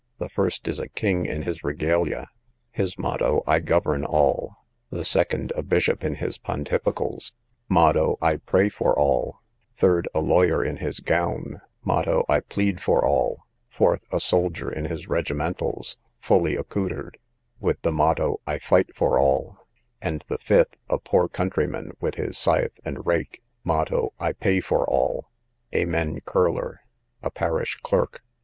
The first is a king in his regalia; his motto, I govern all: the second a bishop in his pontificals; motto, I pray for all: third, a lawyer in his gown; motto, I plead for all: fourth, a soldier in his regimentals, fully accoutred; with the motto, I fight for all: and the fifth, a poor countryman with his scythe and rake; motto, I pay for all. Amen Curler, a parish clerk.